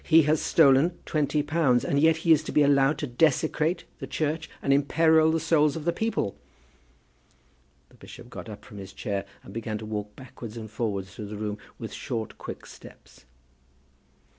He has stolen twenty pounds, and yet he is to be allowed to desecrate the Church, and imperil the souls of the people!" The bishop got up from his chair and began to walk backwards and forwards through the room with short quick steps.